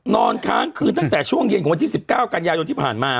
นอนค้างคืนตั้งแต่ช่วงเย็นของวันที่๑๙กันยายนที่ผ่านมา